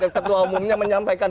masa ketua umumnya menyampaikan